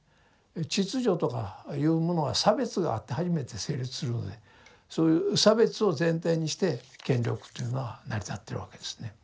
秩序とかいうものは差別があって初めて成立するのでそういう差別を前提にして権力というのは成り立ってるわけですね。